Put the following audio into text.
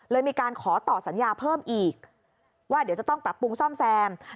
เลยมีการขอต่อสัญญาเพิ่มอีกว่าเดี๋ยวจะต้องปรับปรุงซ่อมแซม